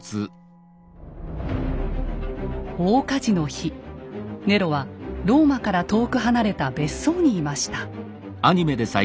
大火事の日ネロはローマから遠く離れた別荘にいました。